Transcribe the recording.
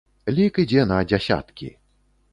Лік ідзе на дзясяткі.